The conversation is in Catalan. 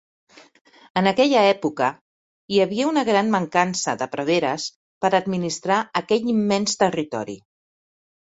En aquella època hi havia una gran mancança de preveres per administrar aquell immens territori.